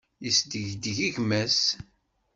Yesdegdeg gma-s.